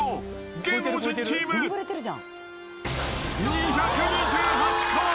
芸能人チーム、２２８個。